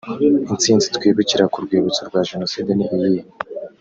Intsinzi twibukira ku rwibutso rwa jenoside ni iyihe